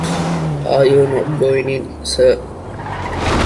Are you not going in, sir?